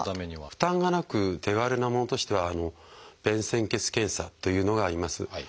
負担がなく手軽なものとしては「便潜血検査」というのがあります。